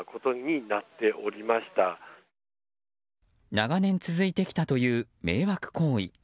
長年続いてきたという迷惑行為。